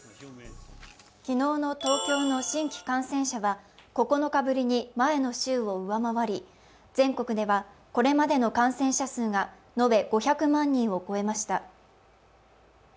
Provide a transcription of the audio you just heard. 昨日の東京の新規感染者は９日ぶりに前の週を上回り、全国ではこれまでの感染者数が延べ５００万人を超えました。